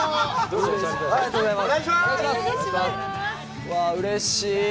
うわあ、うれしい。